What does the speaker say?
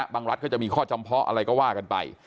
รัฐก็จะมีข้อจำเพาะอะไรก็ว่ากันไป